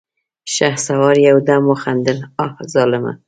شهسوار يودم وخندل: اه ظالمه!